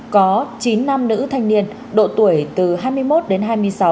có chín nam nữ thanh niên độ tuổi tỉnh bình thuận tỉnh bình thuận